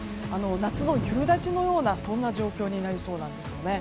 夏の夕立のような状況になりそうなんですよね。